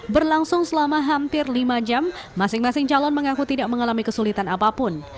berlangsung selama hampir lima jam masing masing calon mengaku tidak mengalami kesulitan apapun